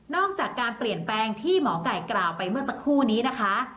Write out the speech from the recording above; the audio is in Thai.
จากการเปลี่ยนแปลงที่หมอไก่กล่าวไปเมื่อสักครู่นี้นะคะ